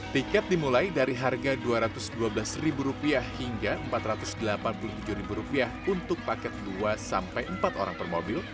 tiket dimulai dari harga rp dua ratus dua belas hingga rp empat ratus delapan puluh tujuh untuk paket dua empat orang per mobil